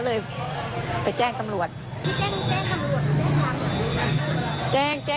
เพราะตำรวจเขาเห็นชื่อ